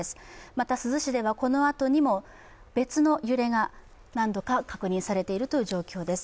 また珠洲市ではこのあとにも別の揺れが何度か確認されているという状況です。